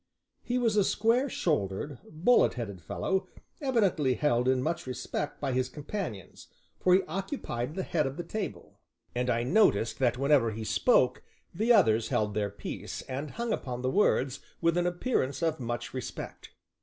He was a square shouldered, bullet headed fellow, evidently held in much respect by his companions, for he occupied the head of the table, and I noticed that when ever he spoke the others held their peace, and hung upon the words with an appearance of much respect.